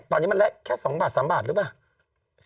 ตอนนี้มันแหละแค่สองบาทสามบาทหรือเปล่า